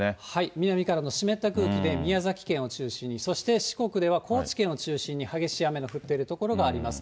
南からの湿った空気で、宮崎県を中心に、そして四国では、高知県を中心に激しい雨の降っている所があります。